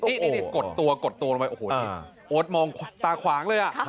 นี่นี่นี่กดตัวกดตัวลงไปโอ๊ตมองตาขวางเลย